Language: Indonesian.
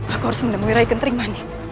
aku harus menemui rai kenterimani